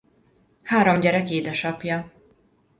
Három gyerek édesapja.